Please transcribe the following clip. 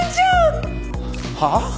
はあ？